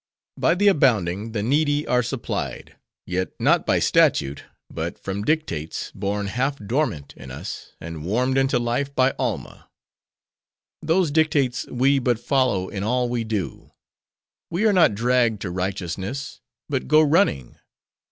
By the abounding, the needy are supplied. Yet not by statute, but from dictates, born half dormant in us, and warmed into life by Alma. Those dictates we but follow in all we do; we are not dragged to righteousness; but go running.